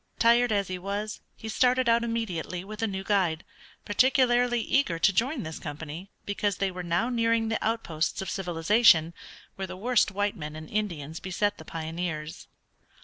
Tired as he was, he started out immediately with a new guide, particularly eager to join this company, because they were now nearing the outposts of civilization, where the worst white men and Indians beset the pioneers.